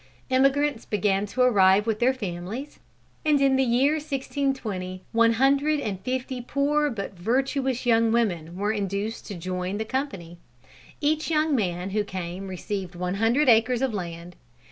Emigrants began to arrive with their families, and in the year 1620, one hundred and fifty poor, but virtuous young women, were induced to join the Company. Each young man who came received one hundred acres of land.